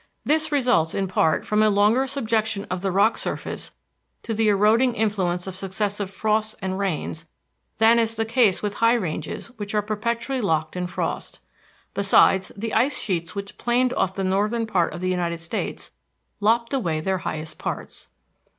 This results in part from a longer subjection of the rock surface to the eroding influence of successive frosts and rains than is the case with high ranges which are perpetually locked in frost. Besides, the ice sheets which planed off the northern part of the United States lopped away their highest parts.